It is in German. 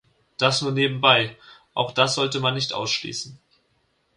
Das nur nebenbei, auch das sollte man nicht ausschließen.